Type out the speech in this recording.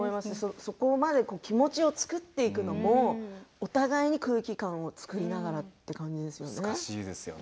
そこまで気持ちを作っていくのもお互いに空気感を作りながらという感じですよね。